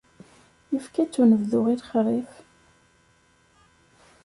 Yefka-tt unebdu i lexrif.